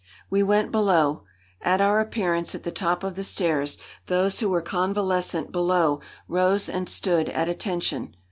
We went below. At our appearance at the top of the stairs those who were convalescent below rose and stood at attention.